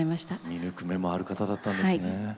見抜く目もある方だったんですね。